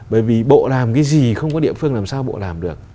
bởi vì bộ làm cái gì không có địa phương làm sao bộ làm được